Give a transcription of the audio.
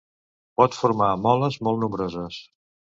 Pot formar moles molt nombroses.